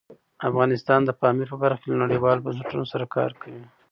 افغانستان د پامیر په برخه کې له نړیوالو بنسټونو سره کار کوي.